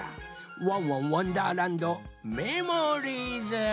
「ワンワンわんだーらんどメモリーズ」。